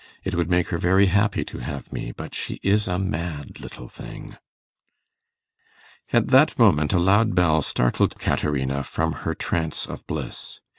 it would make her very happy to have me. But she is a mad little thing.' At that moment a loud bell startled Caterina from her trance of bliss.